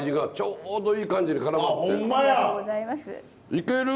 いける！